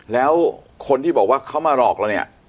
แล้วคนที่บอกว่าเขามาหลอกเราเนี่ย